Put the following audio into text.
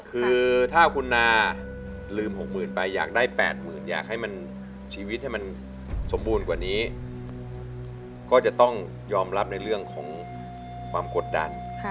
คือถ้าคุณนาลืม๖๐๐๐ไปอยากได้๘๐๐๐อยากให้มันชีวิตให้มันสมบูรณ์กว่านี้ก็จะต้องยอมรับในเรื่องของความกดดัน